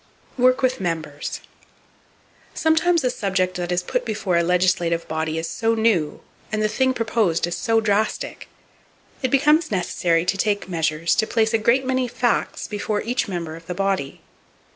Work With Members. —Sometimes a subject that is put before a legislative body is so new, and the thing proposed is so drastic, it becomes necessary to take measures to place a great many facts before each member of the body.